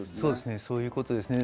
そういうことです。